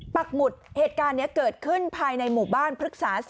ปักหมุดเกิดขึ้นภายในหมู่บ้านพฤกษา๓